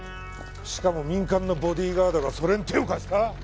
しかも民間のボディーガードがそれに手を貸した。